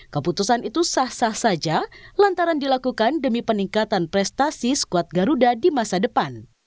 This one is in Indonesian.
keputusan itu sah sah saja lantaran dilakukan demi peningkatan prestasi skuad garuda di masa depan